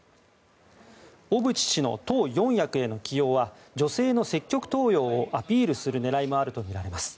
小渕氏の党四役への起用は女性の積極登用をアピールする狙いもあるとみられます。